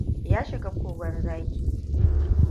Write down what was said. Ya shiga kogon zaki.